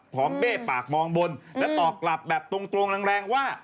เบ้ปากมองบนและตอบกลับแบบตรงแรงว่า